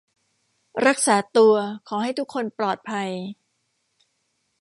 รักษาตัว ขอให้ทุกคนปลอดภัย